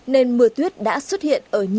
nên mưa tuyết đã xuất hiện ở nhiều vùng đất